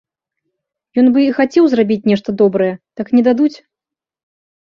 Ён бы і хацеў зрабіць нешта добрае, так не дадуць.